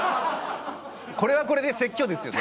これはこれで説教ですよね。